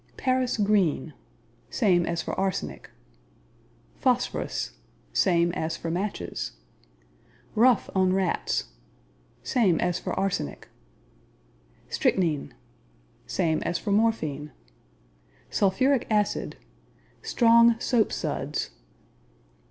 Paris Green Same as for arsenic. Phosphorus Same as for matches. Rough on Rats Same as for arsenic. Strychnin Same as for morphine. Sulphuric Acid Strong soap suds.